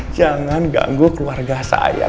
jangan ganggu keluarga saya